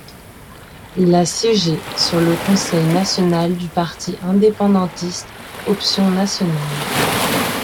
Il a siégé sur le conseil national du parti indépendantiste Option nationale.